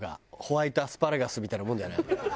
ホワイトアスパラガスみたいなもんじゃない？